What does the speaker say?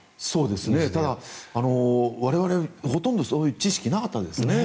ただ、我々ほとんどそういう知識がなかったんですね。